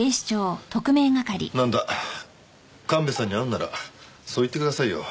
なんだ神戸さんに会うんならそう言ってくださいよ。